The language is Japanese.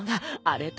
あれ！？